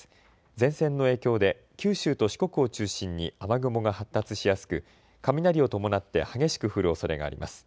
前線の影響で九州と四国を中心に雨雲が発達しやすく雷を伴って激しく降るおそれがあります。